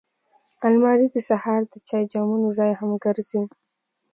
الماري د سهار د چای جامونو ځای هم ګرځي